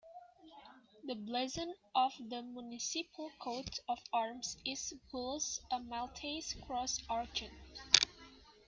The blazon of the municipal coat of arms is Gules a Maltese Cross Argent.